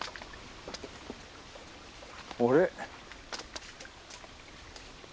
あれ？